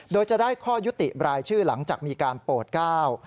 โดยจะได้ข้อยุติรายชื่อหลังจากมีการโปรดก้าว